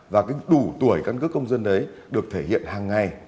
và cái đủ tuổi căn cước công dân đấy được thể hiện hàng ngày